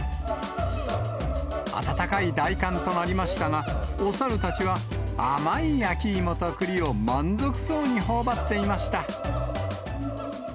暖かい大寒となりましたが、おサルたちは甘い焼き芋とくりを満足そうにほおばっていました。